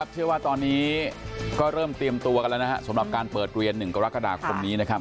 เชื่อว่าตอนนี้ก็เริ่มเตรียมตัวกันแล้วนะครับสำหรับการเปิดเรียน๑กรกฎาคมนี้นะครับ